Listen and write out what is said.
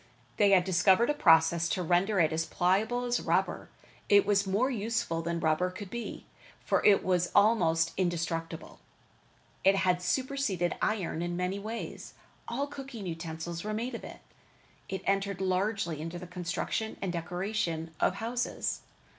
They had discovered a process to render it as pliable as rubber. It was more useful than rubber could be, for it was almost indestructible. It had superceded iron in many ways. All cooking utensils were made of it. It entered largely into the construction and decoration of houses.